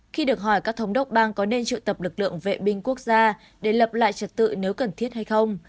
khi được hỏi các thống đốc bang có nên trụ tập lực lượng vệ binh quốc gia để lập lại trật tự nếu cần thiết hay không